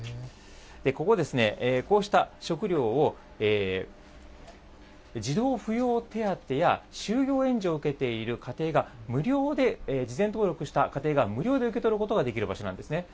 ここはですね、こうした食料を、児童扶養手当や就業援助を受けている家庭が無料で、事前登録した家庭が無料で受け取ることができる場所なんですね。